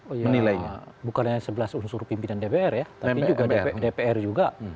oh iya bukan hanya sebelas unsur pimpinan dpr ya tapi juga dpr juga